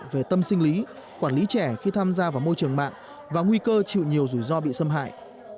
về tâm sinh lý quản lý trẻ khi tham gia vào môi trường mạng và nguy cơ chịu nhiều rủi ro bị xâm hại